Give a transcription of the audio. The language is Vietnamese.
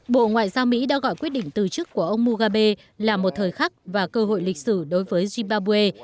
bộ ngoại giao mỹ đã gọi quyết định từ chức của ông mohabe là một thời khắc và cơ hội lịch sử đối với zimbabwe